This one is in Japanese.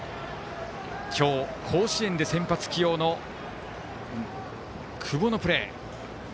今日、甲子園で先発起用の久保のプレー。